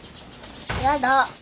やだ。